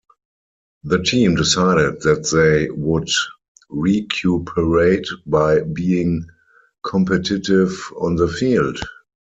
The team decided that they would recuperate by being competitive on the field.